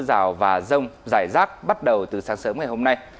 mưa rào và rông dài rác bắt đầu từ sáng sớm ngày hôm nay